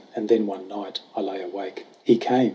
And then one night I lay awake he came